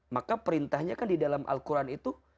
maka perintahnya kan di dalam al quran itu